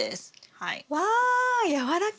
はい。